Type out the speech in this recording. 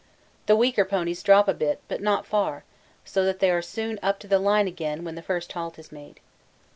The weaker ponies drop a bit but not far, so that they are soon up in line again when the first halt is made.